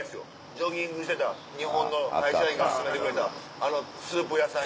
ジョギングしてた日本の会社員が薦めてくれたあのスープ屋さん。